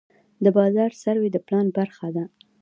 د بازار سروې د پلان برخه ده.